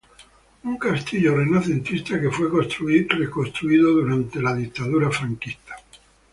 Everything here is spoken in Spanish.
Un castillo renacentista que fue reconstruido tras la Guerra Civil.